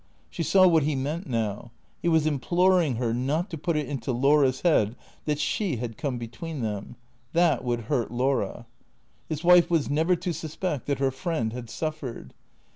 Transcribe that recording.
She saw what he meant now. He was imploring her not to put it into Laura's head that she had come between them. That would hurt Laura. His wife was never to suspect that her friend had suffered.